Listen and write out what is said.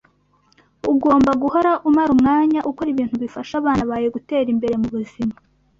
Ugomba guhora umara umwanya ukora ibintu bifasha abana bawe gutera imbere mubuzima.